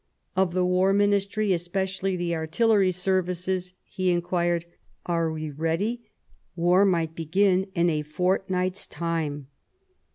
Of the War Ministry, especially the Artillery Ser vices, he inquired, " Are we ready ?" War might begin in a fortnight's time.